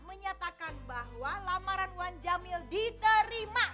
menyatakan bahwa lamaran wan jamil diterima